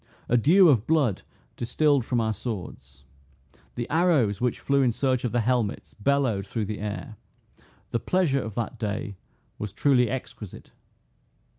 A dew of blood distilled from our swords. The arrows which flew in search of the helmets, bellowed through the air. The pleasure of that day was truly exquisite.